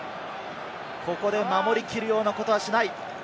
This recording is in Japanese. ここで守り切るようなことはしない。